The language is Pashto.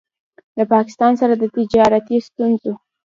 د پاکستان سره د تجارتي ستونځو